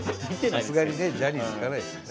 さすがにジャニーズ行かないですよね。